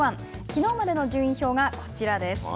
きのうまでの順位表がこちらです。